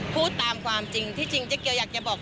พูดตามความจริงที่จริงเจ๊เกียวอยากจะบอก